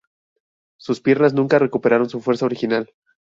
Sus piernas nunca recuperaron su fuerza original.